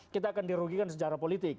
kita akan dirugikan secara politik